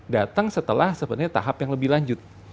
datang setelah sebenarnya tahap yang lebih lanjut